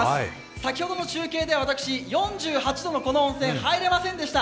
先ほどの中継では私、４８度のこの温泉、入れませんでした。